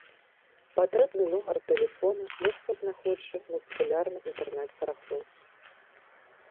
Патрэбны нумар тэлефона лёгка знаходжу на папулярнай інтэрнэт-барахолцы.